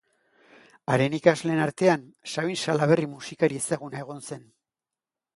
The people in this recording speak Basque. Haren ikasleen artean Sabin Salaberri musikari ezaguna egon zen.